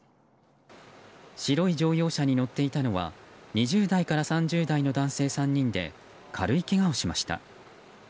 白い乗用車に乗っていたのは２０代から３０代の男性３人で軽いけがをしました。